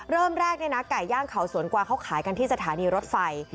เริ่มแรกเนี่ยนะไก่ย่างเขาสวนกวางเขาขายกันที่สถานีรถไฟ